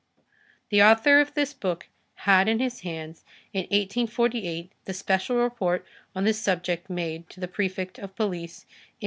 The author of this book had in his hands, in 1848, the special report on this subject made to the Prefect of Police in 1832.